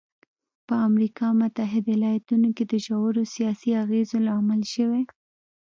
په امریکا متحده ایالتونو کې د ژورو سیاسي اغېزو لامل شوی.